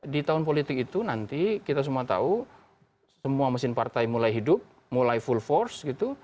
di tahun politik itu nanti kita semua tahu semua mesin partai mulai hidup mulai full force gitu